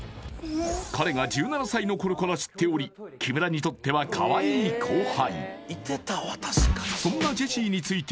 彼が１７歳の頃から知っており木村にとってはかわいい後輩